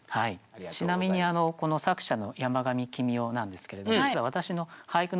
ちなみにこの作者の山上樹実雄なんですけれど実は私の俳句の師匠なんですね。